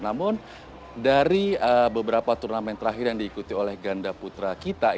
namun dari beberapa turnamen terakhir yang diikuti oleh ganda putra kita